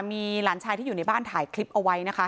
มีหลานชายที่อยู่ในบ้านถ่ายคลิปเอาไว้นะคะ